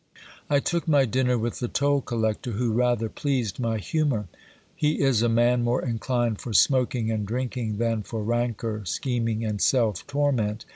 I took my dinner with the toll collector, who rather pleased my humour. He is a man more inclined for smoking and drinking than for rancour, scheming and self torment.